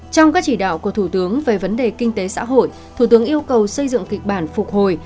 trong các chỉ đạo của thủ tướng về vấn đề kinh tế xã hội thủ tướng yêu cầu xây dựng kịch bản phục hồi